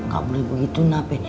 gak boleh begitu ma pe